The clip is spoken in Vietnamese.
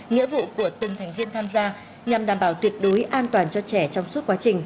nghĩa vụ của từng thành viên tham gia nhằm đảm bảo tuyệt đối an toàn cho trẻ trong suốt quá trình